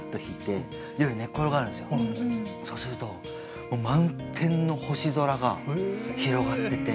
そうするともう満天の星空が広がってて。